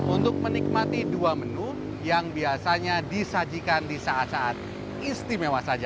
untuk menikmati dua menu yang biasanya disajikan di saat saat istimewa saja